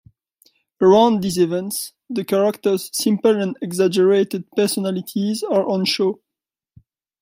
Around these events, the characters' simple and exaggerated personalities are on show.